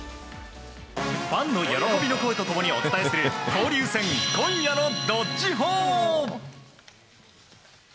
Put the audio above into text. ファンの喜びの声と共にお伝えする交流戦今夜の「＃どっちほー」。